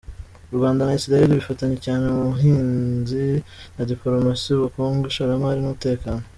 U Rwanda na Israel bifatanya cyane mu buhinzi na Dipolomasi, ubukungu, ishoramari n’umutekano.